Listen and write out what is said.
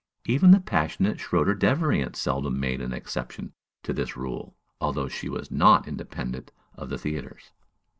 Even the passionate Schröder Devrient seldom made an exception to this rule, although she was not independent of the theatres.